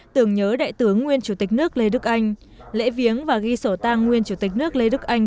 tưởng nhớ đại tướng nguyên chủ tịch nước lê đức anh lễ viếng và ghi sổ tang nguyên chủ tịch nước lê đức anh